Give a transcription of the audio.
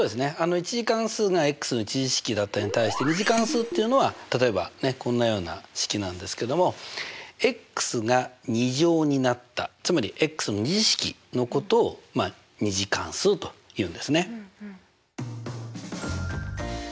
１次関数がの１次式だったのに対して２次関数っていうのは例えばこんなような式なんですけども。が２乗になったつまりの２次式のこ２次関数というんですね。